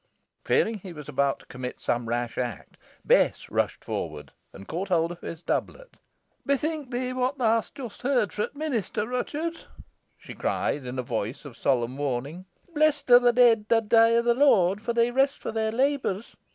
Fearing he was about to commit some rash act, Bess rushed forward and caught hold of his doublet. "Bethink thee whot theaw has just heerd fro' t' minister, Ruchot," she cried in a voice of solemn warning. "'Blessed are the dead that dee i' the Lord, for they rest fro their labours.'